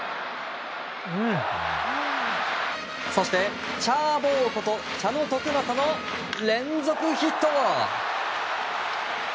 そして、チャーボーこと茶野篤政の連続ヒット。